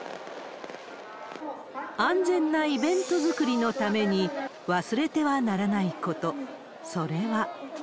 安全なイベント作りのために忘れてはならないこと、それは。